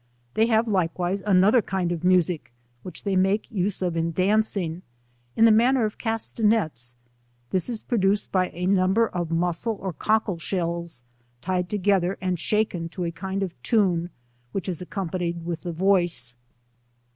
They have likewise another kind of music, which they make use of in dancing, in the manner of castanets, this is produced by a number of muscle or cockle shells tied together and shaken to a kind of tune, which is accompa nied with the voice.